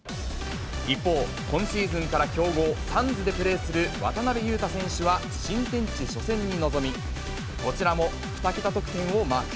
一方、今シーズンから強豪、サンズでプレーする渡邊雄太選手は、新天地初戦に臨み、こちらも２桁得点をマーク。